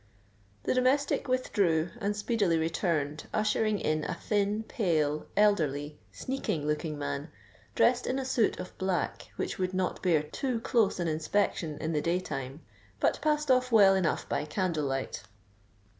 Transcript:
The domestic withdrew, and speedily returned, ushering in a thin, pale, elderly, sneaking looking man, dressed in a suit of black which would not bear too close an inspection in the day time, but passed off well enough by candle light.